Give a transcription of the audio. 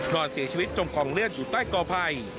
นอนเสียชีวิตจมกองเลือดอยู่ใต้กอภัย